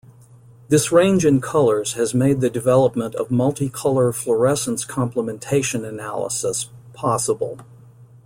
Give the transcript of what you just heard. This range in colours has made the development of multicolour fluorescence complementation analysis possible.